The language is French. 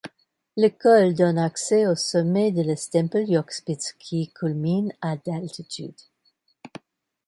Le col donne accès au sommet de la Stempeljochspitze qui culmine à d'altitude.